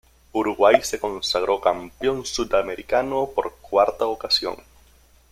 Uruguay se consagró campeón sudamericano por cuarta ocasión.